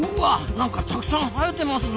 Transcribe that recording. なんかたくさん生えてますぞ！